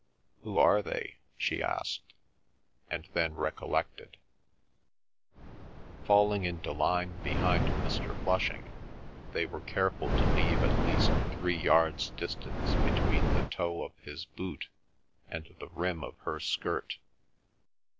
"Who are they?" she asked, and then recollected. Falling into line behind Mr. Flushing, they were careful to leave at least three yards' distance between the toe of his boot and the rim of her skirt.